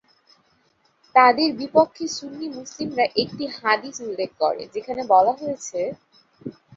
তাদের বিপক্ষে সুন্নী মুসলিমরা একটি হাদীস উল্লেখ করে যেখানে বলা হয়েছে,